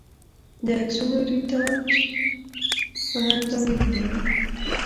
د عکسونو رېټاچ هنر تمرین غواړي.